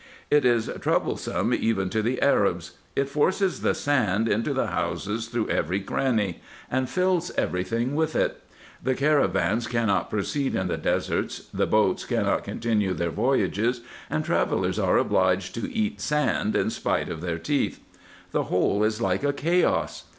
It is troublesome even to the Arabs ; it forces the sand into the houses through every cranny, and fills every thing with it. The caravans cannot proceed in the deserts ; the boats cannot continue their voyages ; and travellers are obliged to eat sand in spite of their teeth. The whole is like a chaos.